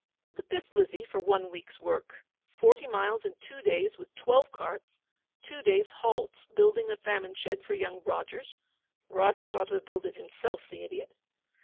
Look at this, Lizzie, for one week's work! Forty miles in two days with twelve carts; two days' halt building a famine shed for young Rogers (Rogers ought to have built it himself, the idiot!).